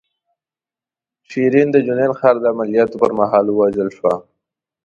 شیرین د جنین ښار د عملیاتو پر مهال ووژل شوه.